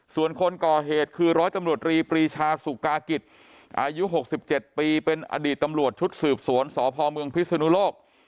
ส่วนคนก่อเหตุคือร้อยตำรวจรีปรีชาสุกากิจอายุ๖๗ปีเป็นอดีตตำรวจชุดสืบสวนสพเมืองพิศนุโลก